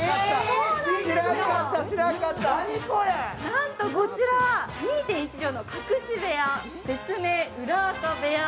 なんと、こちら、２．１畳の隠し部屋。